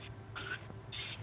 harga bbm ini